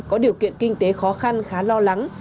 có điều kiện kinh tế khó khăn khá lo lắng